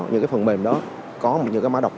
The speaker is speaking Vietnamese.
những cái phần mềm đó có những cái mã độc